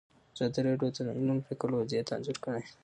ازادي راډیو د د ځنګلونو پرېکول وضعیت انځور کړی.